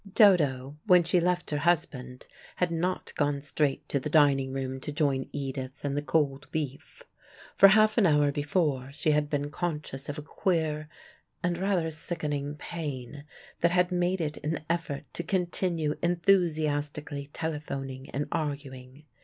Dodo, when she left her husband, had not gone straight to the dining room to join Edith and the cold beef. For half an hour before, she had been conscious of a queer and rather sickening pain, that had made it an effort to continue enthusiastically telephoning and arguing.